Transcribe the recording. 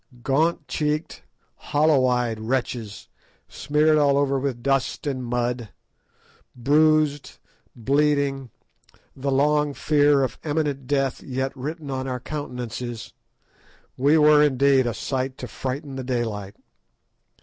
Gaunt cheeked, hollow eyed wretches, smeared all over with dust and mud, bruised, bleeding, the long fear of imminent death yet written on our countenances, we were, indeed, a sight to frighten the daylight.